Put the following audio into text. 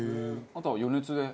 あとは余熱で。